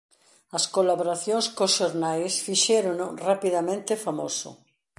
As colaboracións cos xornais fixérono rapidamente famoso.